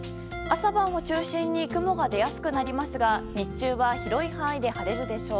朝晩を中心に雲が出やすくなりますが日中は広い範囲で晴れるでしょう。